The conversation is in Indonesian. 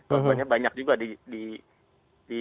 korbannya banyak juga di